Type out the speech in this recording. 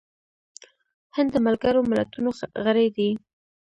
هند د ملګرو ملتونو غړی دی.